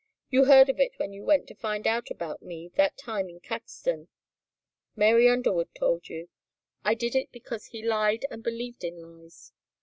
You heard of it when you went to find out about me that time in Caxton. Mary Underwood told you. I did it because he lied and believed in lies.